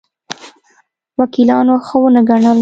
وکیلانو ښه ونه ګڼل.